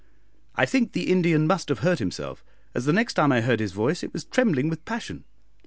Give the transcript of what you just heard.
I think the Indian must have hurt himself, as the next time I heard his voice it was trembling with passion.